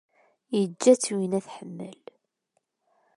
Iǧǧa-tt winna tḥemmel.